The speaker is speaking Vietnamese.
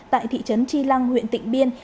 tại thị trấn tri lăng huyện tịnh biên